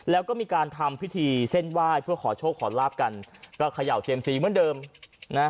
แล้วก็มีการทำพิธีเส้นไหว้เพื่อขอโชคขอลาบกันก็เขย่าเซียมซีเหมือนเดิมนะฮะ